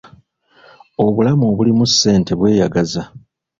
Obulamu obulimu ssente bweyagaza.